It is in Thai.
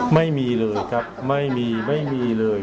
ไม่มีเลยครับไม่มีไม่มีเลย